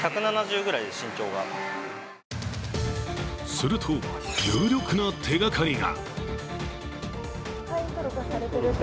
すると有力な手がかりが！